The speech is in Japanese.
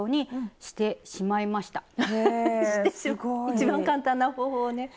一番簡単な方法をね